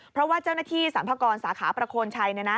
เพราะว่าเจ้าหน้าที่สรรพากรสาขาประโคนชัย